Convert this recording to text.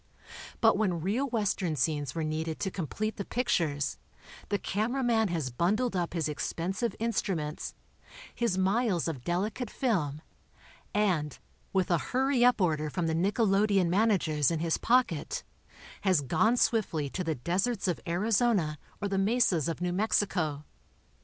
But when real Western scenes were needed to complete the pictures, the camera man has bun dled up his expensive instruments, his miles of delicate film, and, with a hurry up order from the nickelodeon managers in his pocket, has gone swiftly to the deserts of Arizona or the mesas of New Mexico.